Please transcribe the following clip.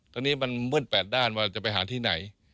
ตอนนี้มันมืดแปดด้านว่าจะไปหาที่ไหน